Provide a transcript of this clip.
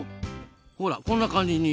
ほらこんな感じに。